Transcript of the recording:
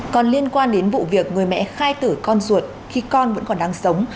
còn liên quan đến vụ việc người mẹ khai tử con ruột khi con vẫn còn đang sống